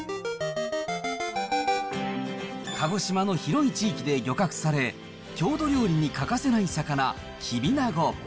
鹿児島の広い地域で漁獲され、郷土料理に欠かせない魚、きびなご。